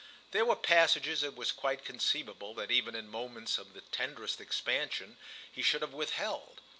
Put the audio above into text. There were passages it was quite conceivable that even in moments of the tenderest expansion he should have withheld.